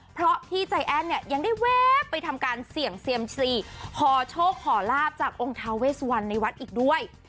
เพราะพี่ใจแอ้นเนี่ยยังได้แวะไปทำการเสี่ยงเซียมซีขอโชคขอลาบจากองค์ทาเวสวันในวัดอีกด้วย